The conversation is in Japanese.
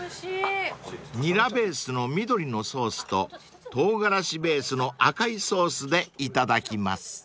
［ニラベースの緑のソースとトウガラシベースの赤いソースでいただきます］